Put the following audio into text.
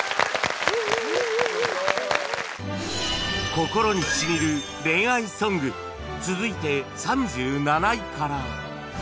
『心にしみる恋愛ソング』続いて３７位から